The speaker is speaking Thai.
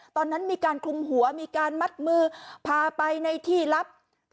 ตอนนั้นมีการคลุมหัวมีการมัดมือพาไปในที่ลับ